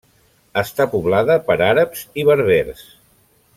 Està poblada per àrabs i berbers.